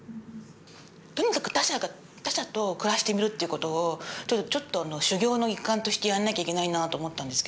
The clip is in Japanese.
とにかく他者と暮らしてみるっていうことをちょっと修行の一環としてやらなきゃいけないなと思ったんですけど。